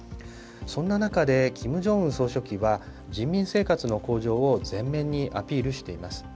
そんな中でキム・ジョンウン総書記は、人民生活の向上を前面にアピールしています。